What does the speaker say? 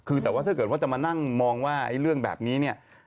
คือแต่ว่าถ้าเกิดว่าจะมานั่งมองว่าเรื่องแบบนี้เนี่ย